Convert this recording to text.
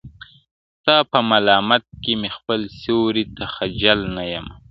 • ستا په مالت کي مي خپل سیوري ته خجل نه یمه -